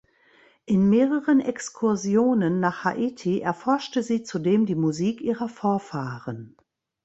In mehreren Exkursionen nach Haiti erforschte sie zudem die Musik ihrer Vorfahren.